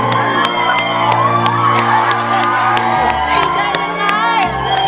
วันภาพชาลี